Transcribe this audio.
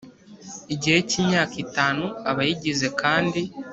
igihe cy imyaka itanu Abayigize kandi